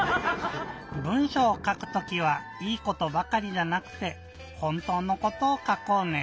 文しょうをかくときはいいことばかりじゃなくてほんとうのことをかこうね！